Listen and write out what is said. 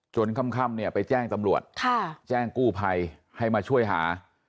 ค่ำเนี่ยไปแจ้งตำรวจแจ้งกู้ภัยให้มาช่วยหา